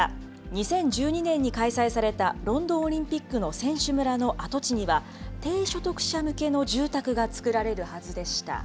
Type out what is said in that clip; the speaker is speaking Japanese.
２０１２年に開催されたロンドンオリンピックの選手村の跡地には、低所得者向けの住宅が作られるはずでした。